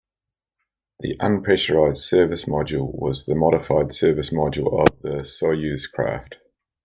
The unpressurized service module was the modified service module of a Soyuz craft.